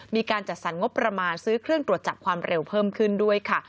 มีการจัดสรรงบประมาณซื้อเครื่องตรวจจับความเร็วเพิ่มขึ้นด้วยค่ะ